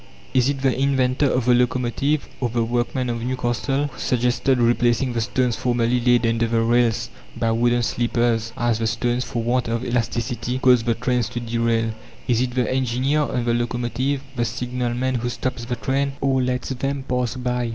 Is it the inventor of the locomotive, or the workman of Newcastle, who suggested replacing the stones formerly laid under the rails by wooden sleepers, as the stones, for want of elasticity, caused the trains to derail? Is it the engineer on the locomotive? The signalman who stops the trains, or lets them pass by?